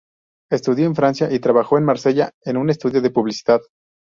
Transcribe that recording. Estudió en Francia, y trabajó en Marsella en un estudio de publicidad.